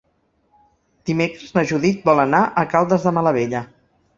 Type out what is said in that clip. Dimecres na Judit vol anar a Caldes de Malavella.